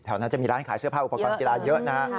นั้นจะมีร้านขายเสื้อผ้าอุปกรณ์กีฬาเยอะนะฮะ